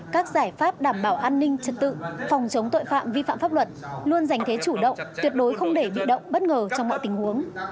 các giải pháp đảm bảo an ninh trật tự phòng chống tội phạm vi phạm pháp luật luôn dành thế chủ động tuyệt đối không để bị động bất ngờ trong mọi tình huống